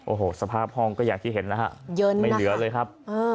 โอ้โหสภาพห้องก็อย่างที่เห็นนะฮะไม่เหลือเลยครับ